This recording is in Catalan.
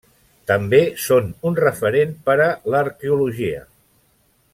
També són un referent per a l'arqueologia.